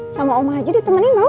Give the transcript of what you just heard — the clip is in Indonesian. sama oma aja ditemani mau